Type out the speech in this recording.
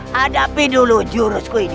hadapi dulu jurusku ini